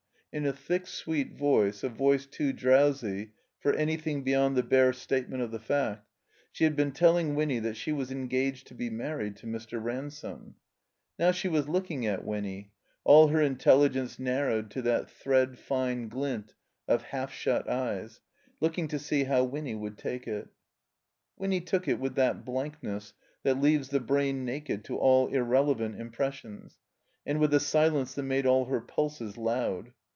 In a thick, sweet voice, a voice too drowsy for anything beyond the bare statement of the fact, she had been telling Winny that she was engaged to be married to Mr. Ransome. Now she was looking at Winny (all her intelligence narrowed to that thread fine glint of half shut eyes), looking to see how Winny would take it. Winny took it with that blankness that leaves the brain naked to all irrelevant impressions, and with a silence that made all her pulses loud.